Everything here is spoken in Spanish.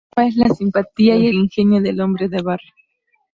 Su mejor arma es la simpatía y el ingenio del hombre de barrio.